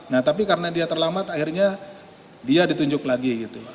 nah tapi karena dia terlambat akhirnya dia ditunjuk lagi gitu